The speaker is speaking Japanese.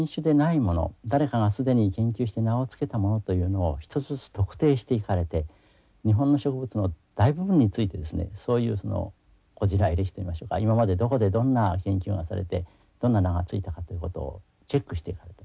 誰かが既に研究して名を付けたものというのを１つずつ特定していかれて日本の植物の大部分についてですねそういうその故事来歴といいましょうか今までどこでどんな研究をなされてどんな名が付いたかってことをチェックしていかれた。